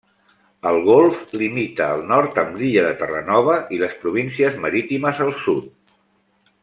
El Golf limita al nord amb l'illa de Terranova i les províncies marítimes al sud.